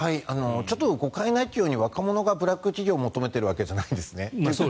誤解なきように若者がブラック企業を求めているわけじゃないんですね。